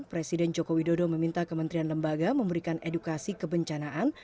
presiden joko widodo meminta kementerian lembaga memberikan edukasi kebencanaan